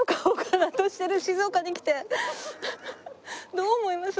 どう思います？